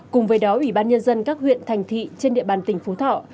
cùng với đó ủy ban nhân dân các huyện thành thị trên địa bàn tỉnh phú thọ